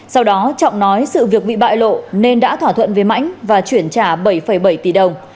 sau đó trọng nói sự việc bị bại lộ nên đã thỏa thuận với mãnh và chuyển trả bảy bảy tỷ đồng